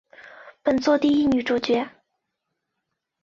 本作的第一女主角。